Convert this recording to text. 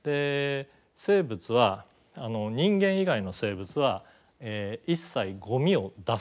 生物は人間以外の生物は一切ゴミを出さないんです。